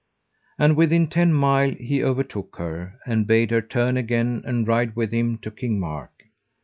And within ten mile he overtook her, and bade her turn again and ride with him to King Mark.